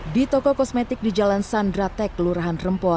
di toko kosmetik di jalan sandratek lurahan rempoha